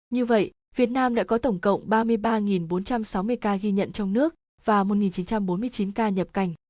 như vậy việt nam đã có tổng cộng ba mươi ba bốn trăm sáu mươi ca ghi nhận trong nước và một chín trăm bốn mươi chín ca nhập cảnh